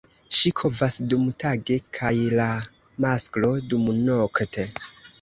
Ŝi kovas dumtage kaj la masklo dumnokte.